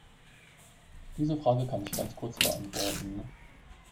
Diese Frage kann ich ganz kurz beantworten.